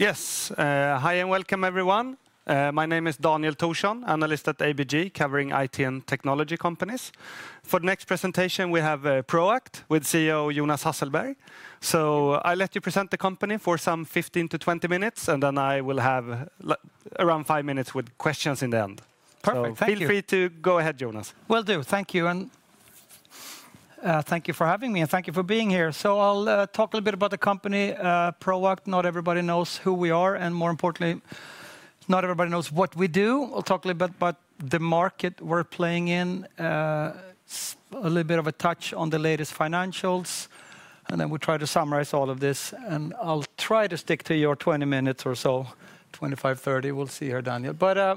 Yes. Hi, and welcome, everyone. My name is Daniel Thorsson, analyst at ABG, covering IT and technology companies. For the next presentation, we have Proact with CEO Jonas Hasselberg. So I'll let you present the company for some 15-20 minutes, and then I will have around five minutes with questions in the end. Perfect. Feel free to go ahead, Jonas. Will do. Thank you. And thank you for having me, and thank you for being here. I'll talk a little bit about the company, Proact. Not everybody knows who we are, and more importantly, not everybody knows what we do. I'll talk a little bit about the market we're playing in, a little bit of a touch on the latest financials, and then we'll try to summarize all of this. I'll try to stick to your 20 minutes or so, 25, 30. We'll see here, Daniel.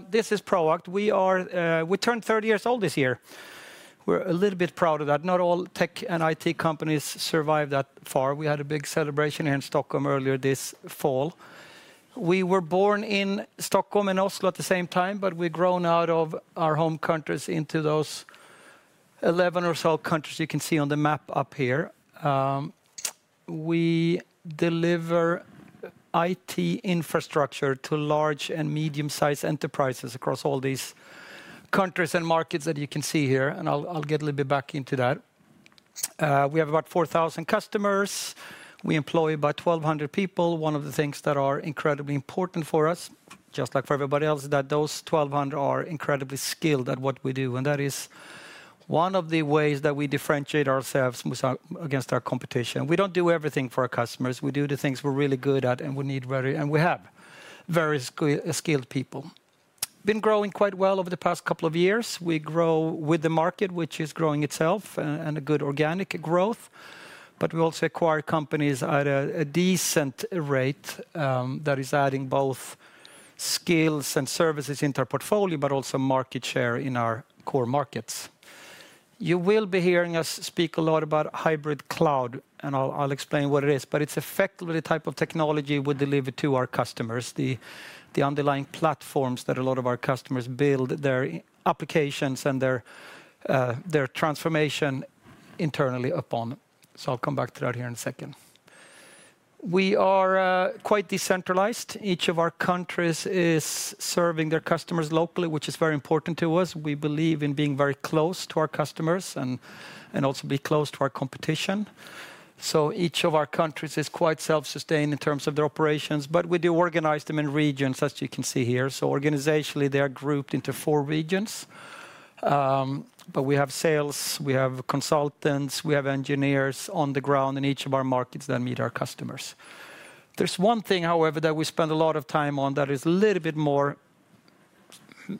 This is Proact. We turned 30 years old this year. We're a little bit proud of that. Not all tech and IT companies survive that far. We had a big celebration here in Stockholm earlier this fall. We were born in Stockholm and Oslo at the same time, but we've grown out of our home countries into those 11 or so countries you can see on the map up here. We deliver IT infrastructure to large and medium-sized enterprises across all these countries and markets that you can see here. And I'll get a little bit back into that. We have about 4,000 customers. We employ about 1,200 people. One of the things that are incredibly important for us, just like for everybody else, is that those 1,200 are incredibly skilled at what we do. And that is one of the ways that we differentiate ourselves against our competition. We don't do everything for our customers. We do the things we're really good at, and we need very - and we have very skilled people. Been growing quite well over the past couple of years. We grow with the market, which is growing itself, and a good organic growth. But we also acquire companies at a decent rate that is adding both skills and services into our portfolio, but also market share in our core markets. You will be hearing us speak a lot about hybrid cloud, and I'll explain what it is. But it's effectively the type of technology we deliver to our customers, the underlying platforms that a lot of our customers build their applications and their transformation internally upon. So I'll come back to that here in a second. We are quite decentralized. Each of our countries is serving their customers locally, which is very important to us. We believe in being very close to our customers and also be close to our competition. So each of our countries is quite self-sustained in terms of their operations, but we do organize them in regions, as you can see here. So organizationally, they are grouped into four regions. But we have sales, we have consultants, we have engineers on the ground in each of our markets that meet our customers. There's one thing, however, that we spend a lot of time on that is a little bit more,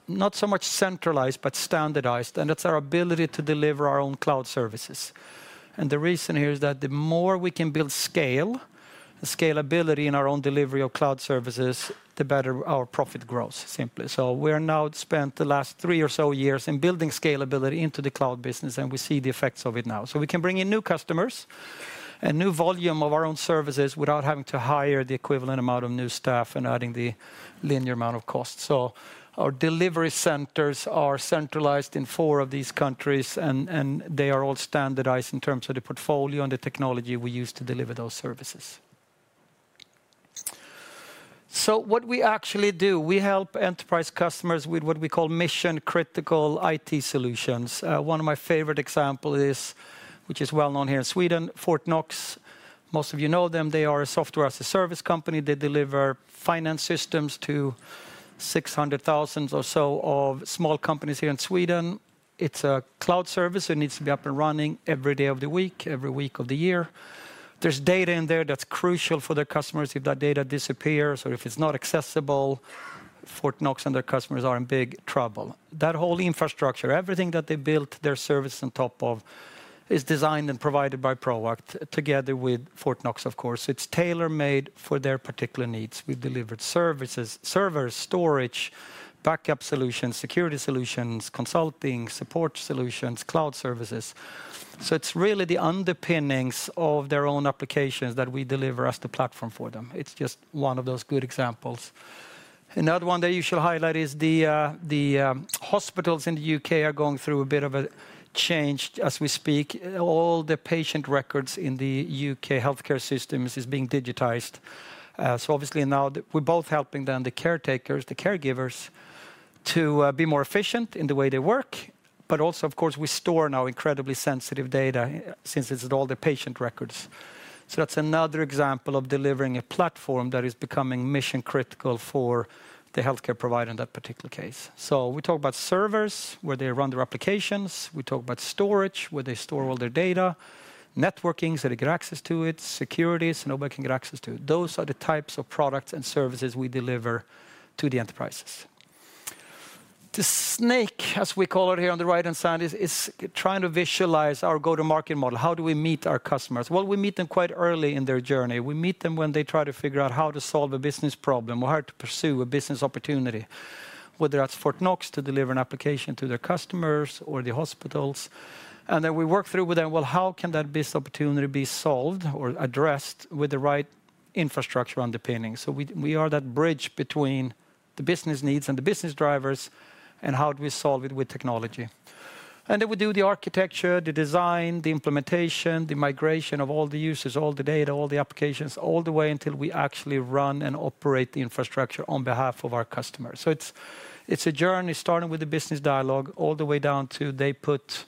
not so much centralized, but standardized. And that's our ability to deliver our own cloud services. And the reason here is that the more we can build scale and scalability in our own delivery of cloud services, the better our profit grows, simply. So we're now spent the last three or so years in building scalability into the cloud business, and we see the effects of it now. We can bring in new customers and new volume of our own services without having to hire the equivalent amount of new staff and adding the linear amount of cost. Our delivery centers are centralized in four of these countries, and they are all standardized in terms of the portfolio and the technology we use to deliver those services. What we actually do is we help enterprise customers with what we call mission-critical IT solutions. One of my favorite examples, which is well known here in Sweden, Fortnox. Most of you know them. They are a software-as-a-service company. They deliver finance systems to 600,000 or so small companies here in Sweden. It is a cloud service. It needs to be up and running every day of the week, every week of the year. There is data in there that is crucial for their customers. If that data disappears or if it's not accessible, Fortnox and their customers are in big trouble. That whole infrastructure, everything that they built, their service on top of, is designed and provided by Proact, together with Fortnox, of course. It's tailor-made for their particular needs. We deliver services, servers, storage, backup solutions, security solutions, consulting, support solutions, cloud services. So it's really the underpinnings of their own applications that we deliver as the platform for them. It's just one of those good examples. Another one that you should highlight is the hospitals in the U.K. are going through a bit of a change as we speak. All the patient records in the U.K. healthcare systems are being digitized. So obviously now we're both helping them, the caretakers, the caregivers, to be more efficient in the way they work. But also, of course, we store now incredibly sensitive data since it's all the patient records. So that's another example of delivering a platform that is becoming mission-critical for the healthcare provider in that particular case. So we talk about servers, where they run their applications. We talk about storage, where they store all their data, networking that they get access to, security that nobody can get access to. Those are the types of products and services we deliver to the enterprises. The snake, as we call it here on the right-hand side, is trying to visualize our go-to-market model. How do we meet our customers? Well, we meet them quite early in their journey. We meet them when they try to figure out how to solve a business problem or how to pursue a business opportunity, whether that's Fortnox to deliver an application to their customers or the hospitals. And then we work through with them, well, how can that business opportunity be solved or addressed with the right infrastructure underpinnings? So we are that bridge between the business needs and the business drivers, and how do we solve it with technology? And then we do the architecture, the design, the implementation, the migration of all the users, all the data, all the applications, all the way until we actually run and operate the infrastructure on behalf of our customers. So it's a journey starting with the business dialogue all the way down to they put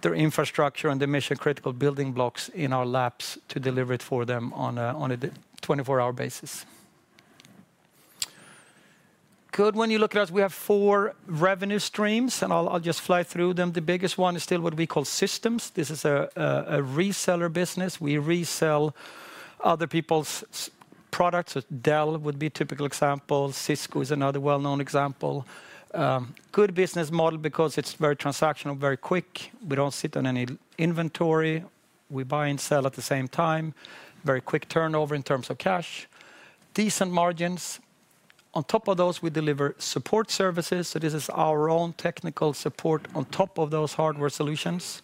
their infrastructure and their mission-critical building blocks in our labs to deliver it for them on a 24-hour basis. Good. When you look at us, we have four revenue streams, and I'll just fly through them. The biggest one is still what we call systems. This is a reseller business. We resell other people's products. Dell would be a typical example. Cisco is another well-known example. Good business model because it's very transactional, very quick. We don't sit on any inventory. We buy and sell at the same time. Very quick turnover in terms of cash. Decent margins. On top of those, we deliver support services. So this is our own technical support on top of those hardware solutions.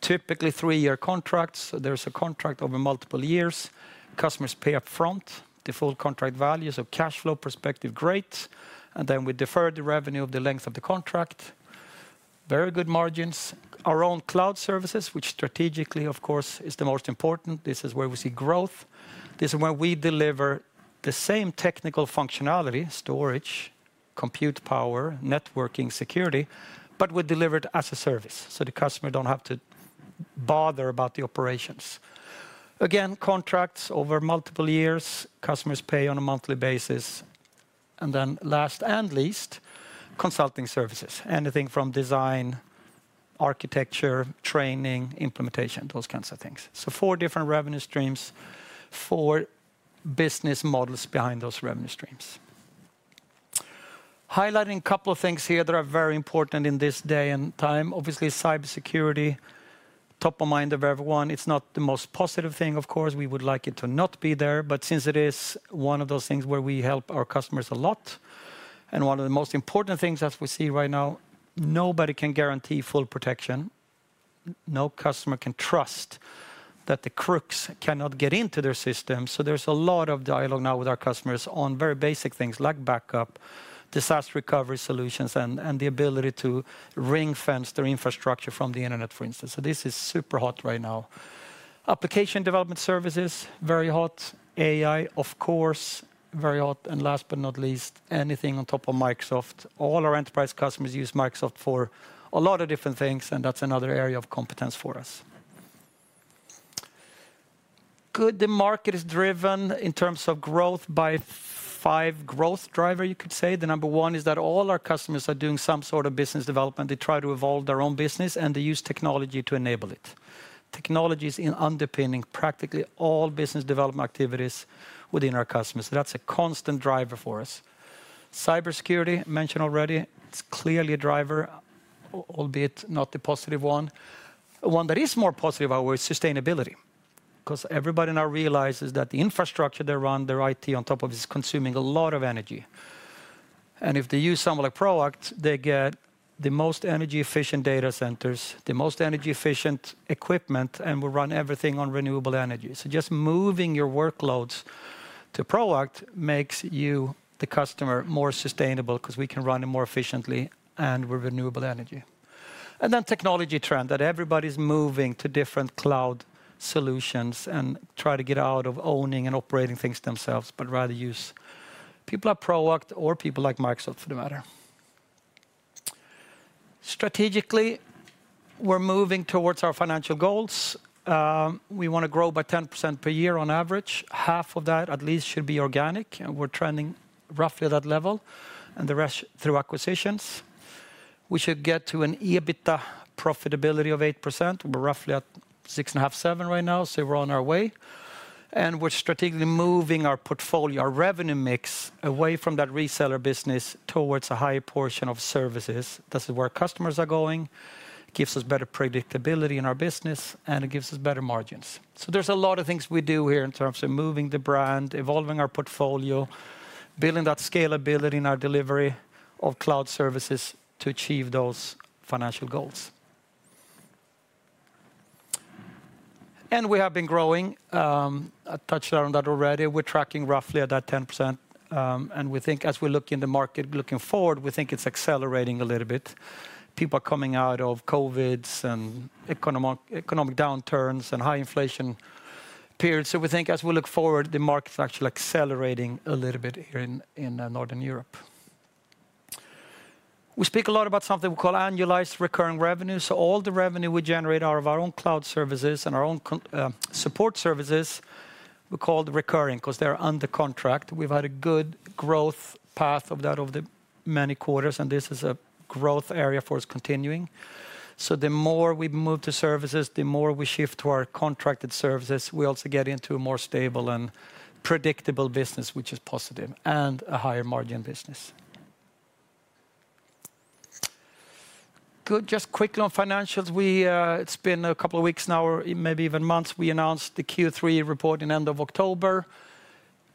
Typically, three-year contracts. So there's a contract over multiple years. Customers pay upfront. The full contract value, so cash flow perspective, great, and then we defer the revenue of the length of the contract. Very good margins. Our own cloud services, which strategically, of course, is the most important. This is where we see growth. This is where we deliver the same technical functionality: storage, compute power, networking, security, but we deliver it as a service, so the customer doesn't have to bother about the operations. Again, contracts over multiple years. Customers pay on a monthly basis, and then last and least, consulting services. Anything from design, architecture, training, implementation, those kinds of things, so four different revenue streams, four business models behind those revenue streams. Highlighting a couple of things here that are very important in this day and time. Obviously, cybersecurity, top of mind of everyone. It's not the most positive thing, of course. We would like it to not be there, but since it is one of those things where we help our customers a lot, and one of the most important things, as we see right now, nobody can guarantee full protection. No customer can trust that the crooks cannot get into their system, so there's a lot of dialogue now with our customers on very basic things like backup, disaster recovery solutions, and the ability to ring-fence their infrastructure from the internet, for instance, so this is super hot right now. Application development services, very hot. AI, of course, very hot, and last but not least, anything on top of Microsoft. All our enterprise customers use Microsoft for a lot of different things, and that's another area of competence for us. Good, the market is driven in terms of growth by five growth drivers, you could say. The number one is that all our customers are doing some sort of business development. They try to evolve their own business, and they use technology to enable it. Technology is underpinning practically all business development activities within our customers. That's a constant driver for us. Cybersecurity, mentioned already, it's clearly a driver, albeit not the positive one. One that is more positive is sustainability, because everybody now realizes that the infrastructure they run, their IT on top of it, is consuming a lot of energy. And if they use someone like Proact, they get the most energy-efficient data centers, the most energy-efficient equipment, and will run everything on renewable energy, so just moving your workloads to Proact makes you, the customer, more sustainable because we can run it more efficiently and with renewable energy. And then technology trend, that everybody's moving to different cloud solutions and trying to get out of owning and operating things themselves, but rather use people like Proact or people like Microsoft for the matter. Strategically, we're moving towards our financial goals. We want to grow by 10% per year on average. Half of that at least should be organic, and we're trending roughly at that level, and the rest through acquisitions. We should get to an EBITDA profitability of 8%. We're roughly at 6.5%, 7% right now, so we're on our way. And we're strategically moving our portfolio, our revenue mix, away from that reseller business towards a higher portion of services. This is where customers are going. It gives us better predictability in our business, and it gives us better margins. So there's a lot of things we do here in terms of moving the brand, evolving our portfolio, building that scalability in our delivery of cloud services to achieve those financial goals. And we have been growing. I touched on that already. We're tracking roughly at that 10%. And we think, as we look in the market looking forward, we think it's accelerating a little bit. People are coming out of COVID and economic downturns and high inflation periods. So we think, as we look forward, the market's actually accelerating a little bit here in Northern Europe. We speak a lot about something we call annualized recurring revenue. So all the revenue we generate out of our own cloud services and our own support services, we call it recurring because they're under contract. We've had a good growth path of that over the many quarters, and this is a growth area for us continuing. So the more we move to services, the more we shift to our contracted services, we also get into a more stable and predictable business, which is positive, and a higher margin business. Good, just quickly on financials. It's been a couple of weeks now, maybe even months. We announced the Q3 report in the end of October.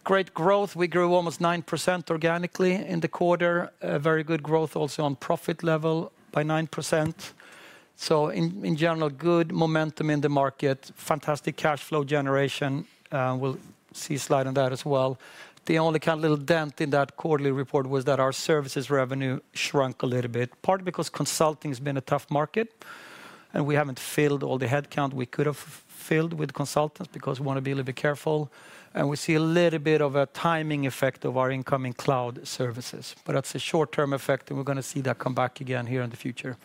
Great growth. We grew almost 9% organically in the quarter. Very good growth also on profit level by 9%. So in general, good momentum in the market, fantastic cash flow generation. We'll see a slide on that as well. The only kind of little dent in that quarterly report was that our services revenue shrunk a little bit, partly because consulting has been a tough market, and we haven't filled all the headcount we could have filled with consultants because we want to be a little bit careful, and we see a little bit of a timing effect of our incoming cloud services, but that's a short-term effect, and we're going to see that come back again here in the future,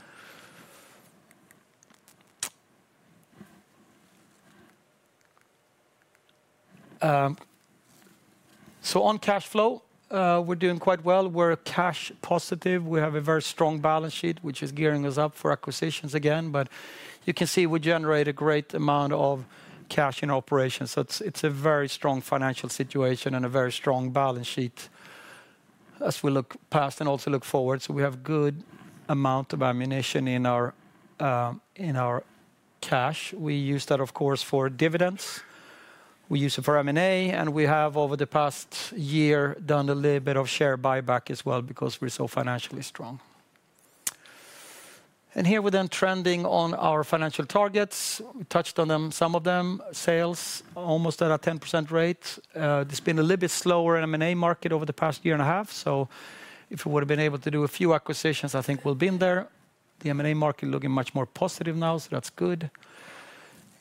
so on cash flow, we're doing quite well. We're cash positive. We have a very strong balance sheet, which is gearing us up for acquisitions again, but you can see we generate a great amount of cash in operations, so it's a very strong financial situation and a very strong balance sheet as we look past and also look forward. So we have a good amount of ammunition in our cash. We use that, of course, for dividends. We use it for M&A, and we have, over the past year, done a little bit of share buyback as well because we're so financially strong. And here we're then trending on our financial targets. We touched on them, some of them. Sales almost at a 10% rate. It's been a little bit slower in the M&A market over the past year and a half. So if we would have been able to do a few acquisitions, I think we'll be in there. The M&A market is looking much more positive now, so that's good.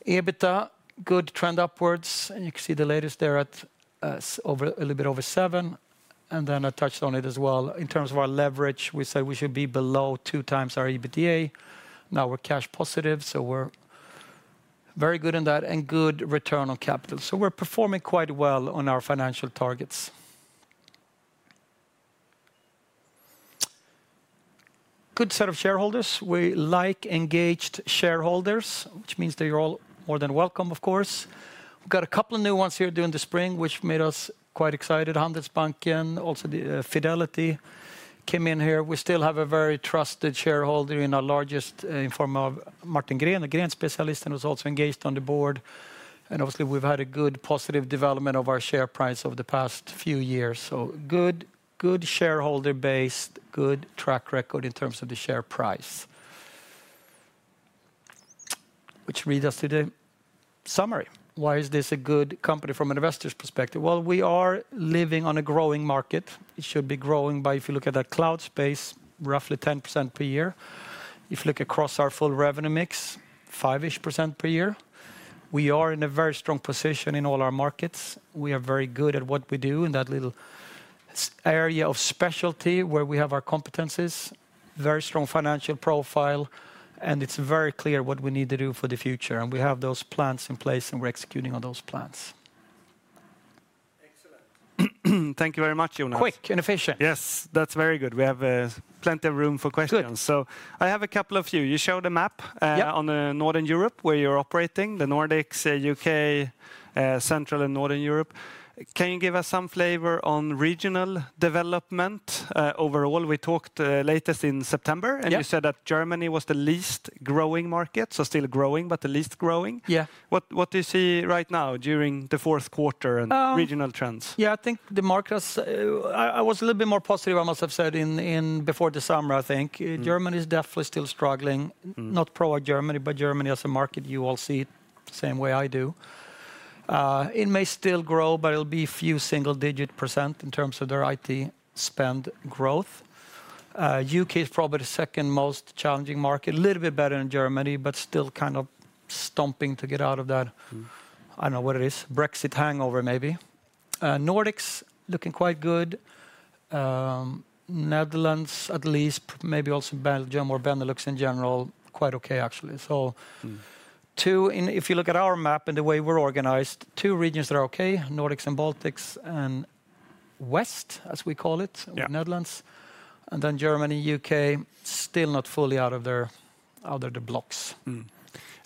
EBITDA, good trend upwards. And you can see the latest there at a little bit over seven. And then I touched on it as well. In terms of our leverage, we said we should be below two times our EBITDA. Now we're cash positive, so we're very good in that and good return on capital. So we're performing quite well on our financial targets. Good set of shareholders. We like engaged shareholders, which means they're all more than welcome, of course. We've got a couple of new ones here during the spring, which made us quite excited. Handelsbanken, also Fidelity, came in here. We still have a very trusted shareholder in our largest in form of Martin Gren, at Grenspecialisten, and was also engaged on the board. And obviously, we've had a good positive development of our share price over the past few years. So good shareholder-based, good track record in terms of the share price. Which leads us to the summary. Why is this a good company from an investor's perspective? We are living on a growing market. It should be growing by, if you look at that cloud space, roughly 10% per year. If you look across our full revenue mix, five-ish % per year, we are in a very strong position in all our markets. We are very good at what we do in that little area of specialty where we have our competencies, very strong financial profile, and it's very clear what we need to do for the future. We have those plans in place, and we're executing on those plans. Excellent. Thank you very much, Jonas. Quick and efficient. Yes, that's very good. We have plenty of room for questions. I have a couple of you. You showed a map on Northern Europe where you're operating, the Nordics, U.K., Central and Northern Europe. Can you give us some flavor on regional development overall? We talked last in September, and you said that Germany was the least growing market, so still growing, but the least growing. Yeah. What do you see right now during the fourth quarter and regional trends? Yeah, I think the market. I was a little bit more positive, I must have said, before the summer, I think. Germany is definitely still struggling, not Proact Germany, but Germany as a market. You all see it the same way I do. It may still grow, but it'll be a few single-digit % in terms of their IT spend growth. U.K. is probably the second most challenging market, a little bit better than Germany, but still kind of stomping to get out of that. I don't know what it is, Brexit hangover maybe. Nordics looking quite good. Netherlands at least, maybe also Belgium or Benelux in general, quite okay actually. So if you look at our map and the way we're organized, two regions that are okay, Nordics and Baltics and West, as we call it, Netherlands, and then Germany, U.K., still not fully out of their blocks.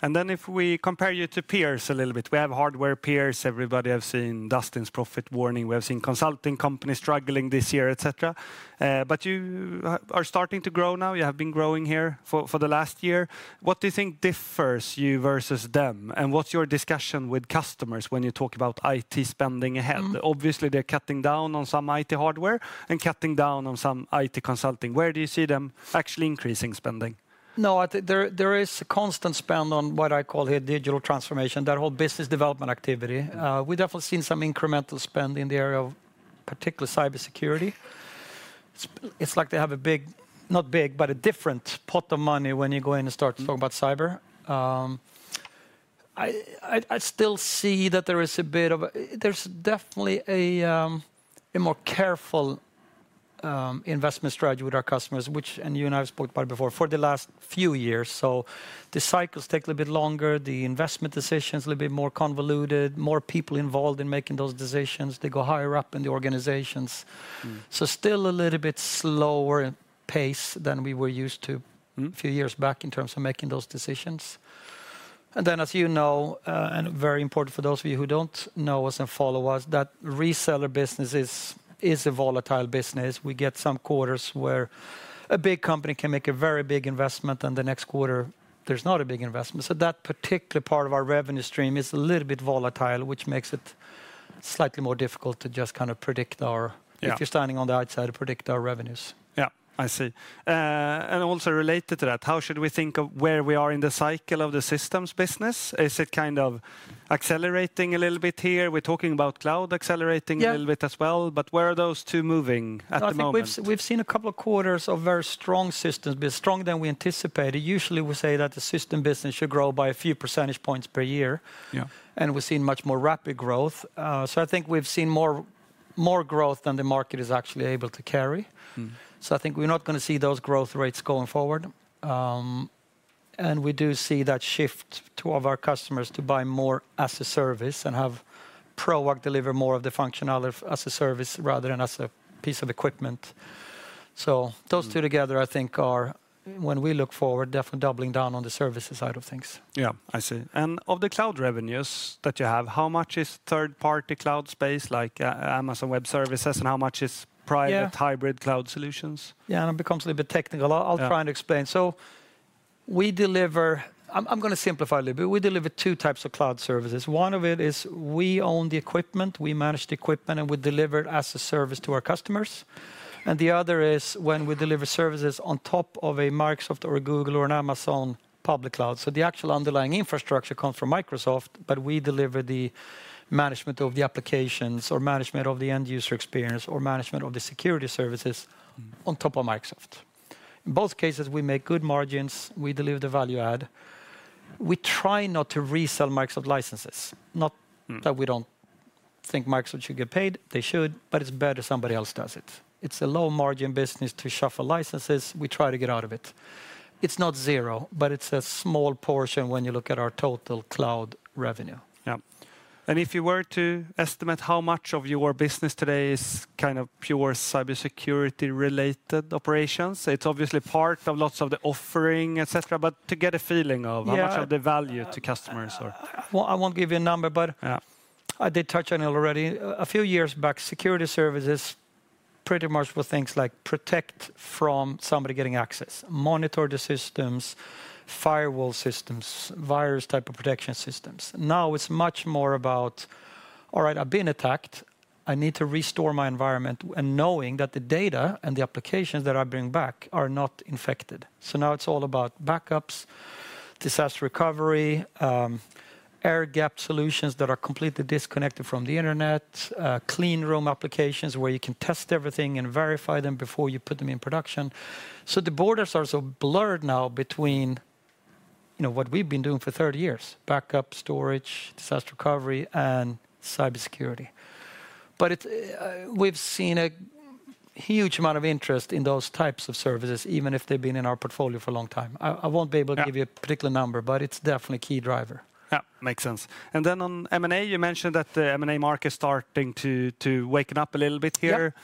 And then if we compare you to peers a little bit, we have hardware peers. Everybody has seen Dustin's profit warning. We have seen consulting companies struggling this year, etc. But you are starting to grow now. You have been growing here for the last year. What do you think differs you versus them, and what's your discussion with customers when you talk about IT spending ahead? Obviously, they're cutting down on some IT hardware and cutting down on some IT consulting. Where do you see them actually increasing spending? No, there is a constant spend on what I call here digital transformation, that whole business development activity. We've definitely seen some incremental spend in the area of particularly cybersecurity. It's like they have a big, not big, but a different pot of money when you go in and start talking about cyber. I still see that there is a bit of, there's definitely a more careful investment strategy with our customers, which, and you and I have spoken about it before, for the last few years. So the cycles take a little bit longer. The investment decisions are a little bit more convoluted, more people involved in making those decisions. They go higher up in the organizations. So still a little bit slower pace than we were used to a few years back in terms of making those decisions. And then, as you know, and very important for those of you who don't know us and follow us, that reseller business is a volatile business. We get some quarters where a big company can make a very big investment, and the next quarter, there's not a big investment. So that particular part of our revenue stream is a little bit volatile, which makes it slightly more difficult to just kind of predict our, if you're standing on the outside, predict our revenues. Yeah, I see. And also related to that, how should we think of where we are in the cycle of the systems business? Is it kind of accelerating a little bit here? We're talking about cloud accelerating a little bit as well, but where are those two moving at the moment? I think we've seen a couple of quarters of very strong systems, but stronger than we anticipated. Usually, we say that the system business should grow by a few percentage points per year, and we've seen much more rapid growth. So I think we've seen more growth than the market is actually able to carry. So I think we're not going to see those growth rates going forward. And we do see that shift to our customers to buy more as a service and have Proact deliver more of the functionality as a service rather than as a piece of equipment. So those two together, I think, are when we look forward, definitely doubling down on the services side of things. Yeah, I see. And of the cloud revenues that you have, how much is third-party cloud space, like Amazon Web Services, and how much is private hybrid cloud solutions? Yeah, and it becomes a little bit technical. I'll try and explain. So we deliver, I'm going to simplify a little bit. We deliver two types of cloud services. One of it is we own the equipment, we manage the equipment, and we deliver it as a service to our customers. And the other is when we deliver services on top of a Microsoft or a Google or an Amazon public cloud. So the actual underlying infrastructure comes from Microsoft, but we deliver the management of the applications or management of the end user experience or management of the security services on top of Microsoft. In both cases, we make good margins. We deliver the value add. We try not to resell Microsoft licenses. Not that we don't think Microsoft should get paid. They should, but it's better somebody else does it. It's a low-margin business to shuffle licenses. We try to get out of it. It's not zero, but it's a small portion when you look at our total cloud revenue. Yeah. If you were to estimate how much of your business today is kind of pure cybersecurity-related operations, it's obviously part of lots of the offering, etc., but to get a feeling of how much of the value to customers or... Well, I won't give you a number, but I did touch on it already. A few years back, security services pretty much were things like protect from somebody getting access, monitor the systems, firewall systems, virus type of protection systems. Now it's much more about, all right, I've been attacked. I need to restore my environment and knowing that the data and the applications that I bring back are not infected. Now it's all about backups, disaster recovery, air gap solutions that are completely disconnected from the internet, clean room applications where you can test everything and verify them before you put them in production. So the borders are so blurred now between what we've been doing for 30 years, backup, storage, disaster recovery, and cybersecurity. But we've seen a huge amount of interest in those types of services, even if they've been in our portfolio for a long time. I won't be able to give you a particular number, but it's definitely a key driver. Yeah, makes sense. And then on M&A, you mentioned that the M&A market is starting to wake up a little bit here.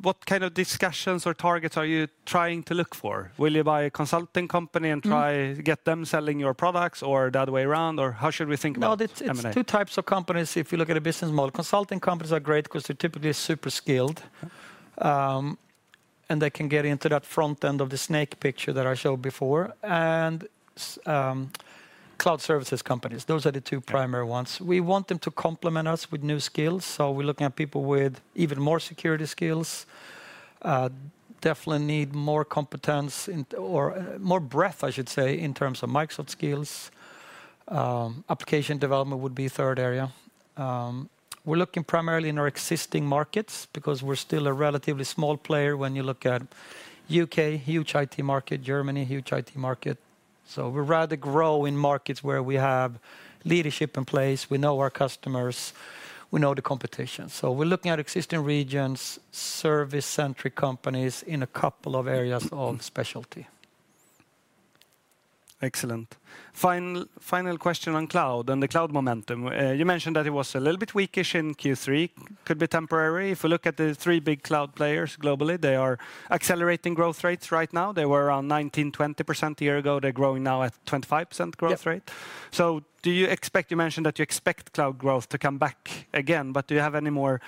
What kind of discussions or targets are you trying to look for? Will you buy a consulting company and try to get them selling your products or that way around? Or how should we think about M&A? No, it's two types of companies. If you look at a business model, consulting companies are great because they're typically super skilled, and they can get into that front end of the snake picture that I showed before, and cloud services companies, those are the two primary ones. We want them to complement us with new skills, so we're looking at people with even more security skills, definitely need more competence or more breadth, I should say, in terms of Microsoft skills. Application development would be a third area. We're looking primarily in our existing markets because we're still a relatively small player when you look at U.K., huge IT market, Germany, huge IT market, so we'd rather grow in markets where we have leadership in place. We know our customers. We know the competition, so we're looking at existing regions, service-centric companies in a couple of areas of specialty. Excellent. Final question on cloud and the cloud momentum. You mentioned that it was a little bit weakish in Q3. Could be temporary. If we look at the three big cloud players globally, they are accelerating growth rates right now. They were around 19-20% a year ago. They're growing now at 25% growth rate. So do you expect, you mentioned that you expect cloud growth to come back again, but do you have any more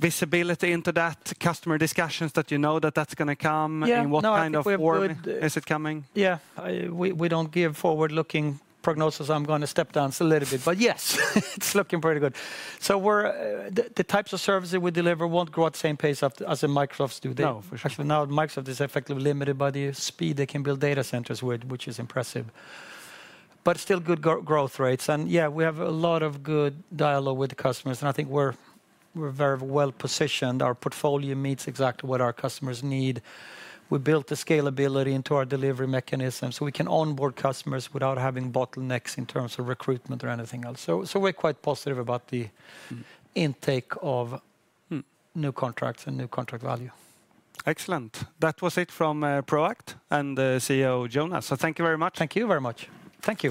visibility into that? Customer discussions that you know that that's going to come in what kind of form is it coming? Yeah, we don't give forward-looking prognosis. I'm going to step down a little bit, but yes, it's looking pretty good. So the types of services we deliver won't grow at the same pace as Microsoft's do. Now, Microsoft is effectively limited by the speed they can build data centers with, which is impressive, but still good growth rates. And yeah, we have a lot of good dialogue with the customers, and I think we're very well positioned. Our portfolio meets exactly what our customers need. We built the scalability into our delivery mechanism so we can onboard customers without having bottlenecks in terms of recruitment or anything else. So we're quite positive about the intake of new contracts and new contract value. Excellent. That was it from Proact and the CEO Jonas. So thank you very much. Thank you very much. Thank you.